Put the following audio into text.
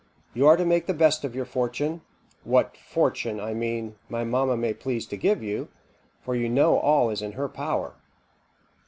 You are to make the best of your fortune what fortune, I mean, my mamma may please to give you, for you know all is in her power.